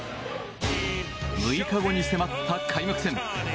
６日後に迫った開幕戦。